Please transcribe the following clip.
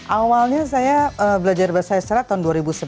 awalnya saya belajar bahasa isra tahun dua ribu sebelas